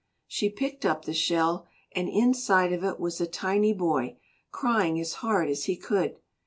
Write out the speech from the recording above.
She picked up the shell, and inside of it was a tiny boy, crying as hard as he could.